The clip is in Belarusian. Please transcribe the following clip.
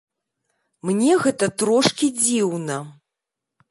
Мне гэта трошкі дзіўна.